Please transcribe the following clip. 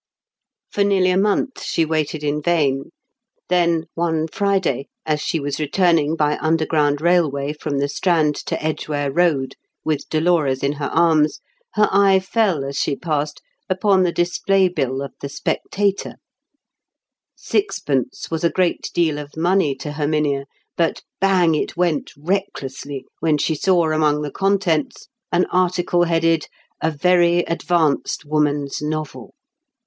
For nearly a month she waited in vain. Then, one Friday, as she was returning by underground railway from the Strand to Edgware Road, with Dolores in her arms, her eye fell as she passed upon the display bill of the Spectator. Sixpence was a great deal of money to Herminia; but bang it went recklessly when she saw among the contents an article headed, "A Very Advanced Woman's Novel."